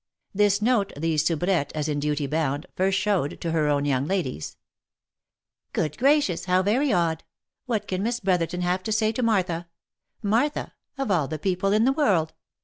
This note the soubrette, as in duty bound, first showed to her own young ladies. " Good gracious I How very odd ! What can Miss Brotherton have to say to Martha? Martha ! of all people in the world.